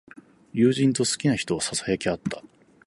友人と好きな人をささやき合った。